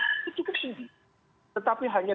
itu cukup tinggi tetapi hanya